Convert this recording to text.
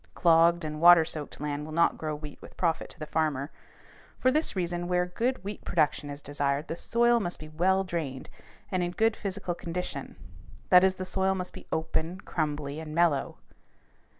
Clogged and water soaked land will not grow wheat with profit to the farmer; for this reason, where good wheat production is desired the soil must be well drained and in good physical condition that is, the soil must be open, crumbly, and mellow.